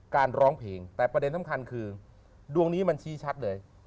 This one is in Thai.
ร้องเพลงแต่ประเด็นสำคัญคือดวงนี้มันชี้ชัดเลย